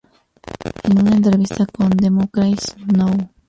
En una entrevista con "Democracy Now!